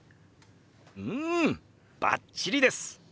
うんバッチリです！